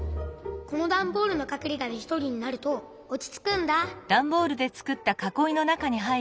このだんボールのかくれがでひとりになるとおちつくんだ。